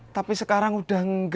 tapi sekarang udah nggak